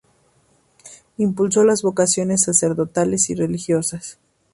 Impulsó las vocaciones sacerdotales y religiosas.